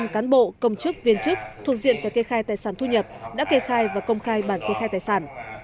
một trăm linh cán bộ công chức viên chức thuộc diện phải kê khai tài sản thu nhập đã kê khai và công khai bản kê khai tài sản